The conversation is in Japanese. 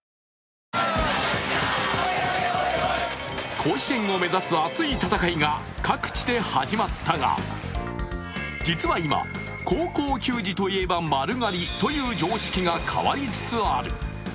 甲子園を目指す熱い戦いが各地で始まったが実は今、高校球児といえば丸刈りという常識が変わりつつある。